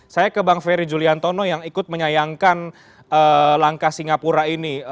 saya ke bang ferry juliantono yang ikut menyayangkan langkah singapura ini